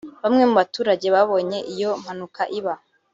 Bamwe mu baturage babonye iyo mpanuka iba